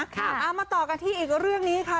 เอามาต่อกันที่อีกเรื่องนี้ค่ะ